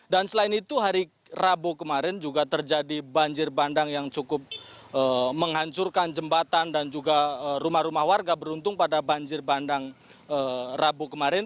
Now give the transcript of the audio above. dan selain itu hari rabu kemarin juga terjadi banjir bandang yang cukup menghancurkan jembatan dan juga rumah rumah warga beruntung pada banjir bandang rabu kemarin